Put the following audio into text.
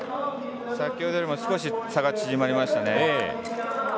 先ほどよりも少し差が縮まりました。